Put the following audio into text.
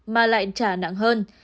mà lại trả nặng hơn